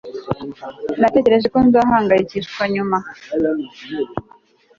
Natekereje ko nzahangayikishwa nyuma